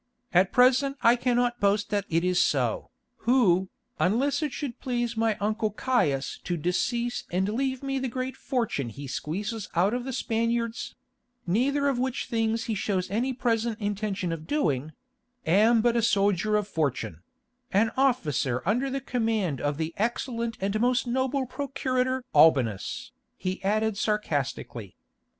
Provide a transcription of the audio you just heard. At present I cannot boast that this is so, who, unless it should please my uncle Caius to decease and leave me the great fortune he squeezes out of the Spaniards—neither of which things he shows any present intention of doing—am but a soldier of fortune: an officer under the command of the excellent and most noble procurator Albinus," he added sarcastically.